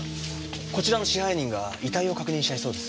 こちらの支配人が遺体を確認したいそうです。